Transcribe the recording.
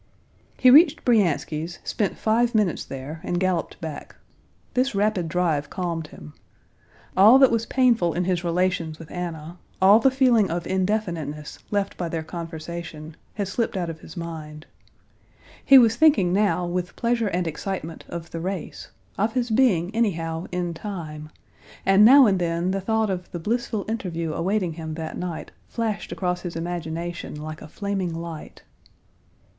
He reached Bryansky's, spent five minutes there, and galloped back. This rapid drive calmed him. All that was painful in his relations with Anna, all the feeling of indefiniteness left by their conversation, had slipped out of his mind. He was thinking now with pleasure and excitement of the race, of his being anyhow, in time, and now and then the thought of the blissful interview awaiting him that night flashed across his imagination like a flaming light.